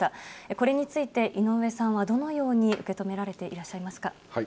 これについて、井上さんはどのように受け止められていらっしゃいますか。